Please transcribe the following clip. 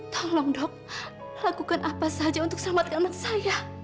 tolong dok lakukan apa saja untuk selamatkan anak saya